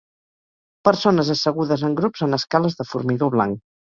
Persones assegudes en grups en escales de formigó blanc.